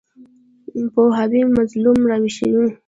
پوهاوی مظلوم راویښوي.